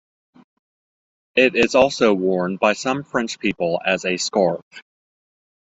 It is also worn by some French people as a scarf.